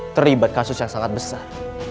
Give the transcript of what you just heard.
saya akan membuat kasus yang sangat besar